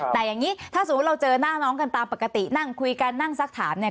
แต่อย่างนี้ถ้าสมมุติเราเจอหน้าน้องกันตามปกตินั่งคุยกันนั่งสักถามเนี่ย